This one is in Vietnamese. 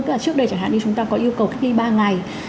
tức là trước đây chẳng hạn như chúng ta có yêu cầu cách ly ba ngày